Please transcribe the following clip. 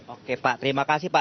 oke pak terima kasih pak